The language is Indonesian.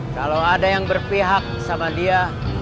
kalau ada yang berpihak sama dia